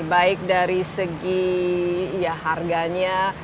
baik dari segi harganya